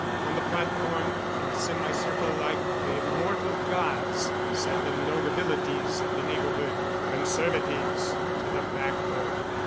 On the platform, in a semi circle like the immortal gods, sat the notabilities of the neighborhood, Conservatives to the backbone.